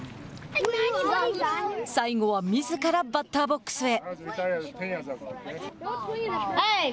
最後はみずからバッターボックスへ。